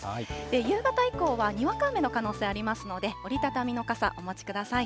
夕方以降はにわか雨の可能性ありますので、折り畳みの傘お持ちください。